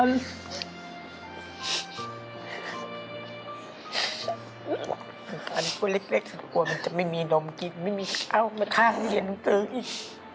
เหมือนกันพวกเล็กสักครู่มันจะไม่มีนมกินไม่มีข้าวไม่มีข้างที่เรียนตึงอีก